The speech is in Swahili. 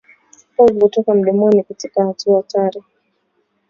Povu kutoka mdomoni katika hatua hatari